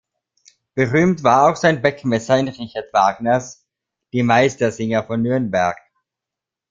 Berühmt war auch sein „Beckmesser“ in Richard Wagners "Die Meistersinger von Nürnberg".